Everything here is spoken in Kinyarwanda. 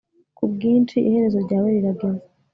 ku bwinshi iherezo ryawe rirageze